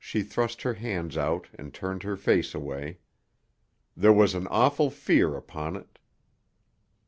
She thrust her hands out and turned her face away. There was an awful fear upon it.